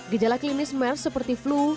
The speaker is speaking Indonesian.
gejala klinis mers seperti flu